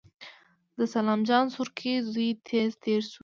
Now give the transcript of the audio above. د سلام جان سورکی زوی تېز تېر شو.